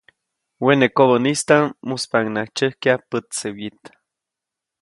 Wene kobädaʼm muspaʼuŋnaʼajk tsyäjkya pätse wyit.